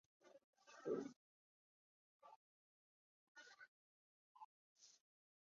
马寿华是中国民主促进会的创建者之一。